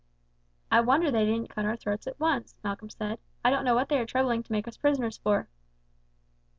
"I wonder they didn't cut our throats at once," Malcolm said. "I don't know what they are troubling to make us prisoners for."